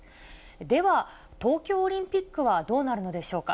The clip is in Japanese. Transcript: では、東京オリンピックはどうなるのでしょうか。